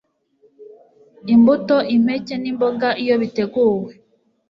Imbuto impeke nimboga iyo biteguwe